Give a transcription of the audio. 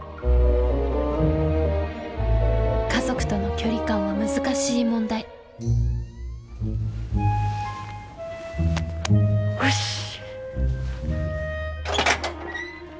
家族との距離感は難しい問題うっし！